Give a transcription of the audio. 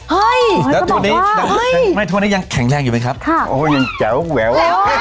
เฮ้ยแหละนะตอนนี้ทุกวันนี้ยังแข็งแรงไหมค่ะโอ้โหยังเจ๋วแวว